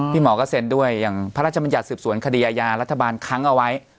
หมอก็เซ็นด้วยอย่างพระราชมัญญัติสืบสวนคดีอาญารัฐบาลค้างเอาไว้